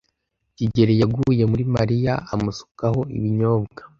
kigeli yaguye muri Mariya amusukaho ibinyobwa.